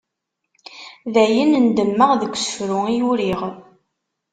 Dayen, ndemmeɣ deg usefru i uriɣ.